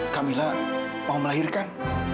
kamila mau melahirkan